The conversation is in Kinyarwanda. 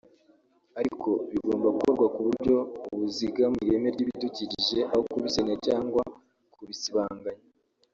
ariko bigomba gukorwa ku buryo buzigama ireme ry’ibidukikije aho kubisenya cyangwa kubisibanganya